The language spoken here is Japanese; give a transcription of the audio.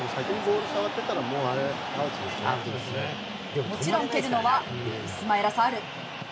もちろん蹴るのはイスマイラ・サール。